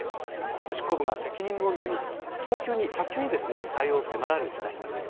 執行部が責任問題に早急に対応迫られる事態になっている。